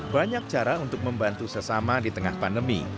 banyak cara untuk membantu sesama di tengah pandemi